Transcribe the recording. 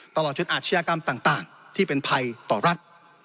ตลอดจนอาชญากรรมต่างที่เป็นภัยต่อรัฐ